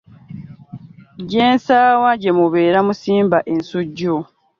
Jensaawa jemubeera musimba ensujju .